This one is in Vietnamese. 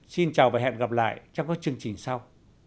xin chào và hẹn gặp lại trong các chương trình sau